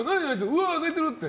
うわ、泣いてる！って。